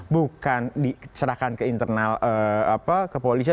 bukan diserahkan ke internal ke koalisi